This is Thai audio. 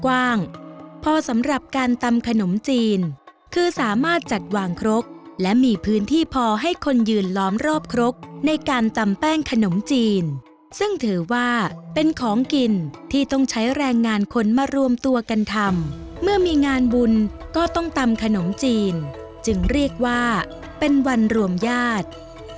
กว้างพอสำหรับการตำขนมจีนคือสามารถจัดวางครกและมีพื้นที่พอให้คนยืนล้อมรอบครกในการตำแป้งขนมจีนซึ่งถือว่าเป็นของกินที่ต้องใช้แรงงานคนมารวมตัวกันทำเมื่อมีงานบุญก็ต้องตำขนมจีนจึงเรียกว่าเป็นวันรวมญาติ